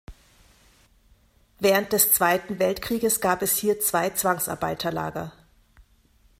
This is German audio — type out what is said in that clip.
Während des Zweiten Weltkrieges gab es hier zwei Zwangsarbeiterlager.